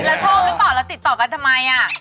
แล้วโชคหรือเปล่าแล้วติดต่อกันทำไม